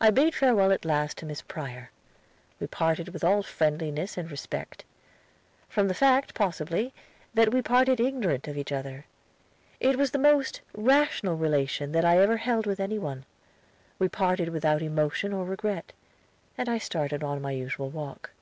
I bade farewell at last to Miss Prior. We parted with all friendliness and respect; from the fact, possibly, that we parted ignorant of each other. It was the most rational relation that I had ever held with any one. We parted without emotion or regret, and I started on my usual walk.